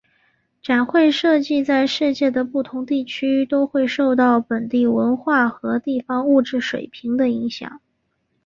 展会设计在世界的不同地区都会受到本地文化和地方物质水平的影响。